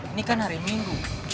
ini kan hari minggu